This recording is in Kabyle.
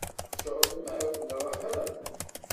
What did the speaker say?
Tceɣlem akk, neɣ uhu?